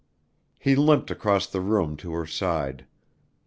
He limped across the room to her side.